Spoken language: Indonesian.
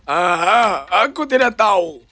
aha aku tidak tahu